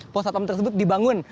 pos satpam tersebut dibangun